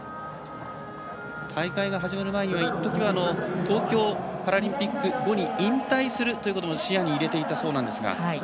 大会が始まる前には、一時は東京パラリンピック後に引退するということも視野に入れていたそうなんですが。